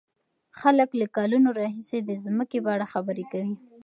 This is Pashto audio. خلک له کلونو راهيسې د ځمکې په اړه خبرې کوي.